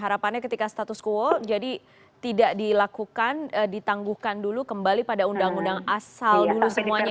harapannya ketika status quo jadi tidak dilakukan ditangguhkan dulu kembali pada undang undang asal dulu semuanya